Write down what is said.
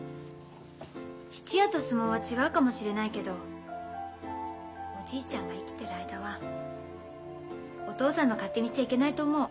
質屋と相撲は違うかもしれないけどおじいちゃんが生きてる間はお父さんの勝手にしちゃいけないと思う。